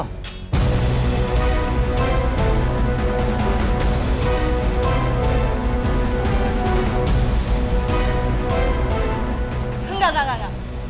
enggak enggak enggak